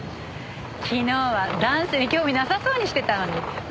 昨日はダンスに興味なさそうにしてたのに何？